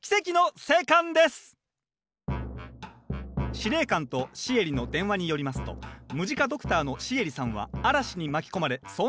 司令官とシエリの電話によりますとムジカドクターのシエリさんは嵐に巻き込まれ遭難しました。